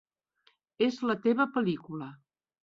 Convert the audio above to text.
És la teva pel·lícula.